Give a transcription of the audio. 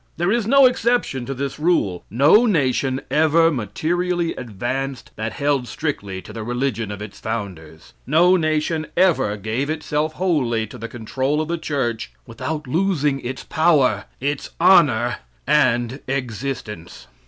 There is no exception to this rule. No nation ever materially advanced that held strictly to the religion of its founders. No nation ever gave itself wholly to the control of the church without losing its power, its honor, and existence.